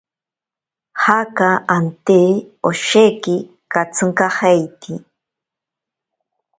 Jaka ante osheki katsinkajeiti.